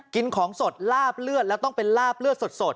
กินของสดลาบเลือดแล้วต้องเป็นลาบเลือดสด